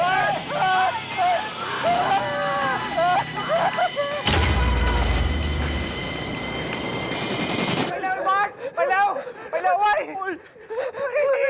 ไอ้ยวกเอาไงดีวะ